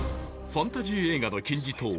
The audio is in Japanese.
ファンタジー映画の金字塔